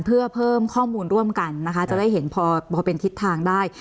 เพื่อเพิ่มข้อมูลร่วมกันนะคะจะได้เห็นพอเป็นทิศทางได้